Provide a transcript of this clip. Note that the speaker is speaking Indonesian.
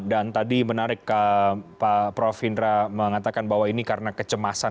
dan tadi menarik pak prof hindra mengatakan bahwa ini karena kecemasan